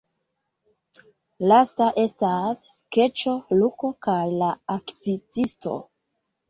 Lasta estas skeĉo Luko kaj la akcizisto.